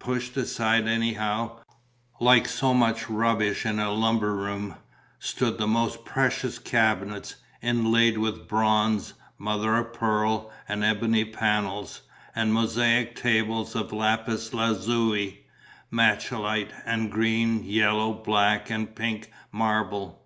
Pushed aside anyhow, like so much rubbish in a lumber room, stood the most precious cabinets, inlaid with bronze, mother of pearl and ebony panels, and mosaic tables of lapis lazuli, malachite and green, yellow, black and pink marble.